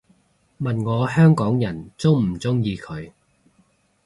問我香港人鍾唔鍾意佢